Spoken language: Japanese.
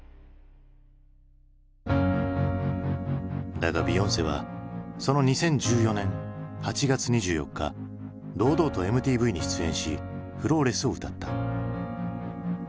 だがビヨンセはその２０１４年８月２４日堂々とＭＴＶに出演し「＊＊＊Ｆｌａｗｌｅｓｓ」を歌った。